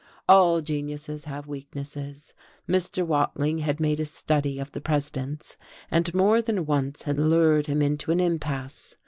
All geniuses have weaknesses; Mr. Wading had made a study of the President's, and more than once had lured him into an impasse.